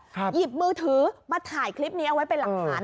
หยิบมือถือมาถ่ายคลิปนี้เอาไว้เป็นหลักฐาน